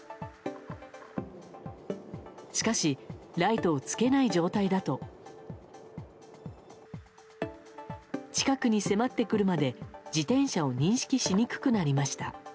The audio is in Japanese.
しかしライトをつけない状態だと近くに迫ってくるまで自転車を認識しにくくなりました。